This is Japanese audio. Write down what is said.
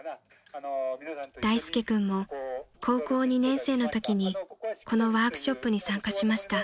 ［大介君も高校２年生のときにこのワークショップに参加しました］